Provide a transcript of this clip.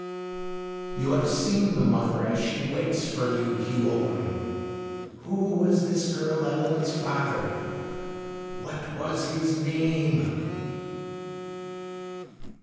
"You have seen the mother as she waits for you, Hugh Ockram. Who was this girl Evelyn's father? What was his name?"